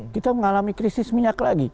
kita mengalami krisis minyak lagi